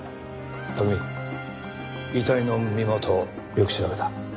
拓海遺体の身元よく調べた。